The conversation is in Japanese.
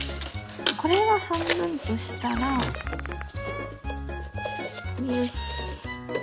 これを半分としたらよし。